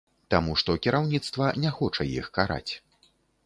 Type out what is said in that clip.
Таму што кіраўніцтва не хоча іх караць.